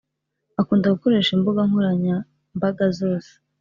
akunda gukoresha imbugankoranya mbaga zose